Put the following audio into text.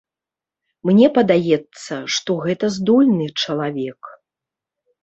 Мне падаецца, што гэта здольны чалавек.